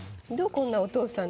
こんなお父さん。